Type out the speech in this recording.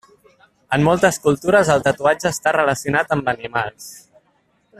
En moltes cultures el tatuatge està relacionat amb animals.